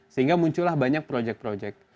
sehingga muncullah banyak project project